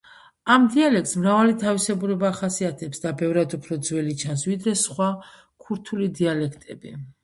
ამ დიალექტს მრავალი თავისებურება ახასიათებს და ბევრად უფრო ძველი ჩანს ვიდრე სხვა ქურთული დიალექტები.